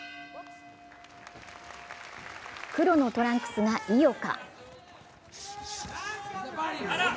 黒のトランクスが井岡。